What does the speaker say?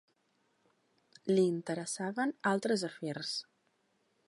Li interessaven altres afers.